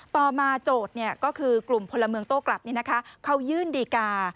ต่อมาโจทย์ก็คือกลุ่มพลเมืองโต้กลับเขายื่นดีกา